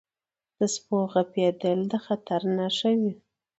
• د سپو غپېدل د خطر نښه وي.